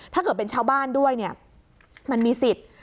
ถ้าเกิดเป็นชาวบ้านด้วยเนี่ยมันมีสิทธิ์